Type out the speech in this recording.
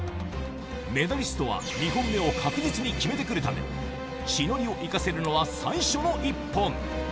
メダリストは２本目を確実に決めてくるため、地の利を生かせるのは最初の１本。